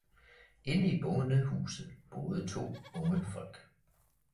Inde i bondehuset boede to unge folk.